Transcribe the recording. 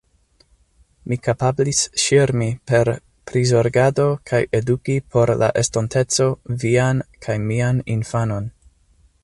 Mi kapablis ŝirmi per prizorgado kaj eduki por la estonteco vian kaj mian infanon!